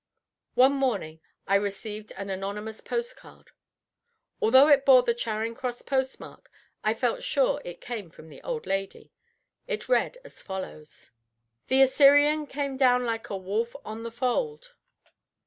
One morning I received an anonymous postcard. Although it bore the Charing Cross postmark, I felt sure it came from the old lady. It read as follows: "The Assyrian came down like a wolf on the fold."